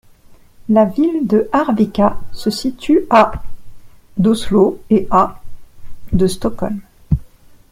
La ville de Arvika se situe à d'Oslo et à de Stockholm.